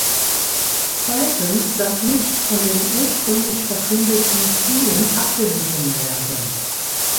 Zweitens darf nicht von den ursprünglich verkündeten Zielen abgewichen werden.